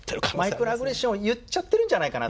マイクロアグレッションを言っちゃってるんじゃないかなっていう。